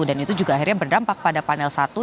dan itu juga akhirnya berdampak pada panel satu